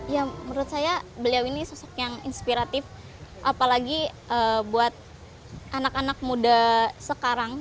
ya menurut saya beliau ini sosok yang inspiratif apalagi buat anak anak muda sekarang